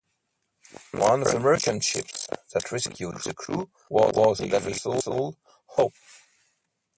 One of the merchant ships that rescued the crew was the Danish vessel "Hope".